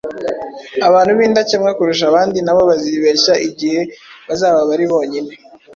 Abantu b’indakemwa kurusha abandi nabo bazibeshya igihe bazaba bari bonyine.